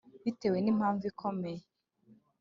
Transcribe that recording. bitewe n'impamvu ikomeye